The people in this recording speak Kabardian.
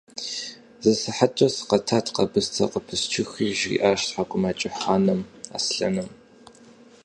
– Зы сыхьэткӀэ сыкъэтат къэбыстэ пысчыхуи, – жриӀащ ТхьэкӀумэкӀыхь анэм Аслъэным.